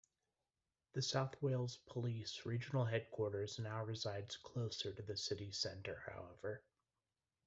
The South Wales Police regional headquarters now resides closer to the city centre however.